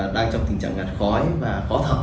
đang trong tình trạng ngặt khói và khó thẳng